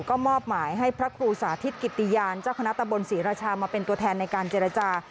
ก็มอบหมายให้พระครูสาธิตกิตติยานเจ้าคณะตะบนศรีราชามาเป็นตัวแทนในการเจรจา